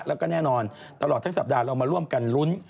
แล้วก็แน่นอนตลอดทั้งสัปดาห์เรามาร่วมกันลุ้น